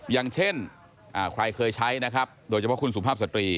อย่างเช่นใครเคยใช้นะครับ